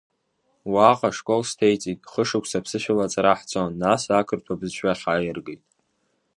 Уаҟа ашкол сҭеиҵеит, хышықәса аԥсышәала аҵара ҳҵон, нас ақырҭуа бызшәахь ҳаиаргеит.